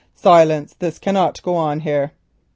"Silence. This cannot go on here."